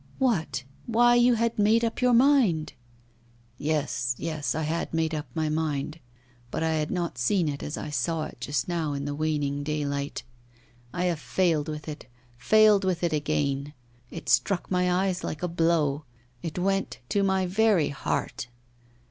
'What? Why, you had made up your mind?' 'Yes, yes, I had made up my mind; but I had not seen it as I saw it just now in the waning daylight. I have failed with it, failed with it again it struck my eyes like a blow, it went to my very heart.